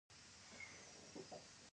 د غنمو د سرو زرو رنګ ښکلی دی.